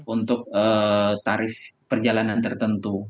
untuk tarif perjalanan tertentu